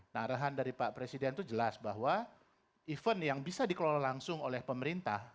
nah arahan dari pak presiden itu jelas bahwa event yang bisa dikelola langsung oleh pemerintah